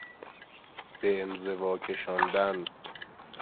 به انزوا کشاندن